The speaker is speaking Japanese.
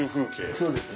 そうですね。